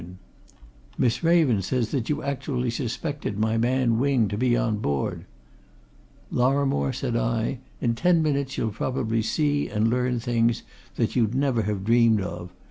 "You didn't see all these Chinamen? Miss Raven says that you actually suspected my man Wing to be on board!" "Lorrimore," said I, "in ten minutes you'll probably see and learn things that you'd never have dreamed of.